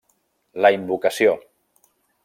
La invocació.